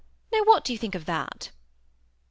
Now, what do you think of that ?